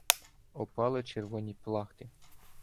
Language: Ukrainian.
Опали червоні плахти.